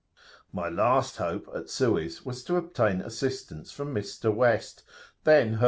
My last hope at Suez was to obtain assistance from Mr. West, then H.B.